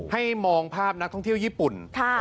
ให้มองภาพนักท่องเที่ยวญี่ปุ่น